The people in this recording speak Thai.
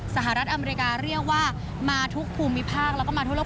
สหรัฐอเมริกาเรียกว่ามาทุกภูมิภาคแล้วก็มาทั่วโลก